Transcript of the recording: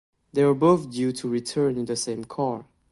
They are both due to return in the same car.